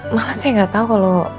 malah saya gak tau kalo